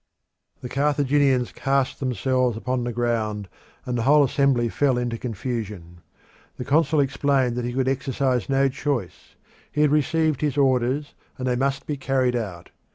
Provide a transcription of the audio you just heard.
The Carthaginians cast themselves upon the ground, and the whole assembly fell into confusion. The consul explained that he could exercise no choice: he had received his orders, and they must be carried out.